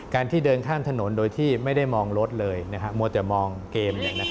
ที่เดินข้ามถนนโดยที่ไม่ได้มองรถเลยมัวแต่มองเกม